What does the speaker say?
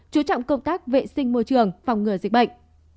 chú trọng công tác vệ sinh môi trường phòng ngừa dịch bệnh